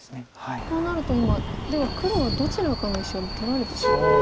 こうなると今では黒はどちらかの石はもう取られてしまった？